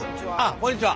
こんにちは。